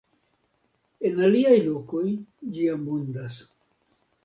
En aliaj lokoj ĝi abundas.